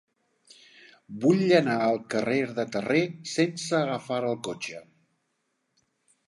Vull anar al carrer de Terré sense agafar el cotxe.